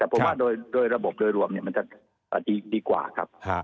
แต่ผมว่าโดยระบบโดยรวมมันจะดีกว่าครับ